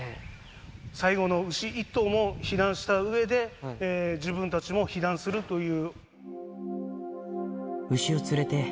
最後の牛１頭も避難したうえで、自分たちも避難するという。